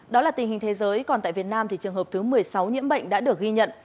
đó là tình hình thế giới còn tại việt nam thì trường hợp thứ một mươi sáu nhiễm bệnh đã được ghi nhận